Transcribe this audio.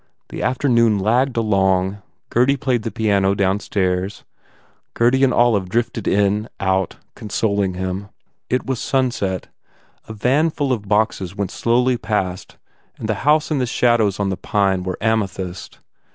The afternoon lagged along. Gurdy played the piano downstairs. Gurdy and Olive drifted in, out, consoling him. It was sunset. A van full of boxes went slowly past the house and the shadows on the pine were amethyst.